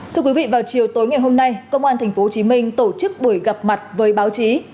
thưa quý vị vào chiều tối ngày hôm nay công an tp hcm tổ chức buổi gặp mặt với báo chí